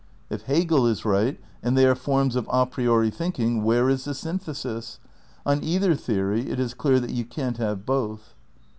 If Hegel is right and they are forms of a priori thinking, where is the syn thesis ? On either theory it is clear that you can't have both.